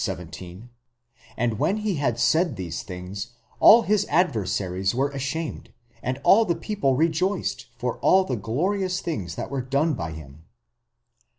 17), And when he had said these things, all his adversaries were ashamed ; and all the people rejoiced for all the glorious things that were done by him.